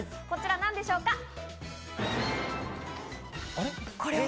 こちらなんでしょうか？